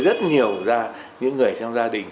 rất nhiều ra những người trong gia đình